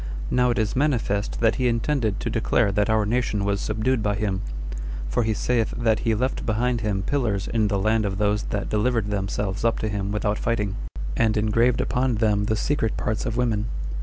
Now it is manifest that he intended to declare that our nation was subdued by him; for he saith that he left behind him pillars in the land of those that delivered themselves up to him without fighting, and engraved upon them the secret parts of women.